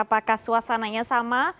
apakah suasananya sama